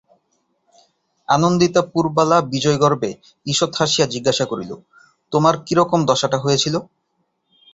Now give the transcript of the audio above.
আনন্দিতা পুরবালা বিজয়গর্বে ঈষৎ হাসিয়া জিজ্ঞাসা করিল, তোমার কিরকম দশাটা হয়েছিল!